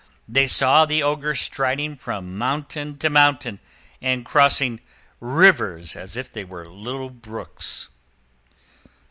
They saw the Ogre striding from mountain to mountain, and crossing rivers as if they were little brooks.